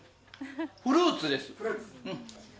フルーツです。